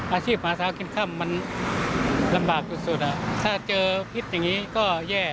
อาชีพหมาสาวกินข้ำมันลำบากจุดสุดถ้าเจอพิษอย่างนี้ก็แย่